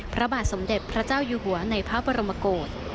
พระบาทสมเด็จพระเจ้าอยู่หัวในพระบรมโกศ